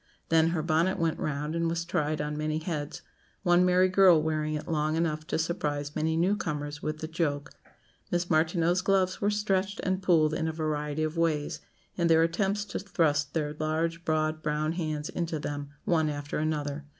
Then her bonnet went round, and was tried on many heads; one merry girl wearing it long enough to surprise many new comers with the joke. Miss Martineau's gloves were stretched and pulled in a variety of ways, in their attempts to thrust their large, broad brown hands into them, one after another.